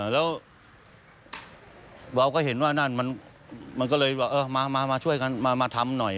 แล้วเบาก็เห็นว่านั่นมันก็เลยมาช่วยกันมาทำหน่อย